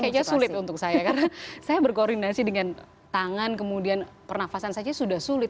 kayaknya sulit untuk saya karena saya berkoordinasi dengan tangan kemudian pernafasan saja sudah sulit